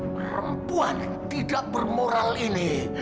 perempuan tidak bermoral ini